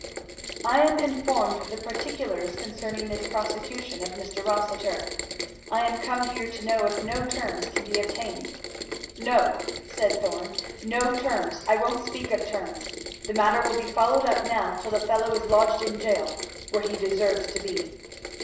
"I am informed of the particulars concerning this prosecution of Mr. Rossitur I am come here to know if no terms can be obtained." "No!" said Thorn, "no terms I won't speak of terms. The matter will be followed up now till the fellow is lodged in jail, where he deserves to be."